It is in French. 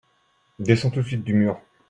descend tout de suite du mur.